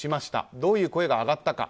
どういう声が上がったか。